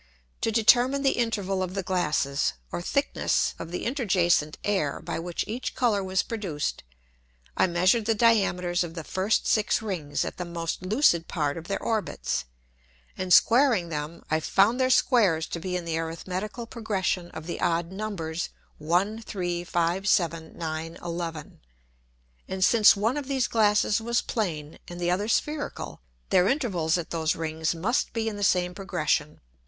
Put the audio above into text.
To determine the interval of the Glasses, or thickness of the interjacent Air, by which each Colour was produced, I measured the Diameters of the first six Rings at the most lucid part of their Orbits, and squaring them, I found their Squares to be in the arithmetical Progression of the odd Numbers, 1, 3, 5, 7, 9, 11. And since one of these Glasses was plane, and the other spherical, their Intervals at those Rings must be in the same Progression.